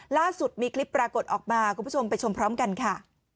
ล่าสุดมีคลิปปรากฏออกมาคุณผู้ชมไปชมพร้อมกันค่ะ